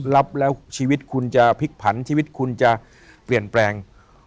รับแล้วชีวิตคุณจะพลิกผันชีวิตคุณจะเปลี่ยนแปลง